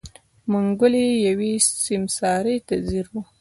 منګلی يوې سيمسارې ته ځير و.